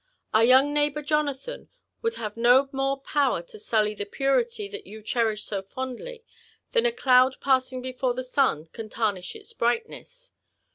Our young neighbour Jonathan would have no more power to sully the purity that you cherish so fondly, than a cloud passing before the sun can tarnish its brightness.